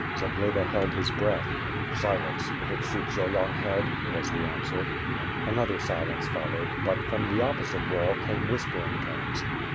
Zagloba held his breath. "Silence! if it suits your young head," was the answer. Another silence followed but, from the opposite wall, came whispering tones.